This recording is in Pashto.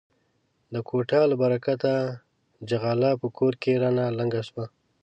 د کوټه له برکته ،چغاله په کور کې راته لنگه سوه.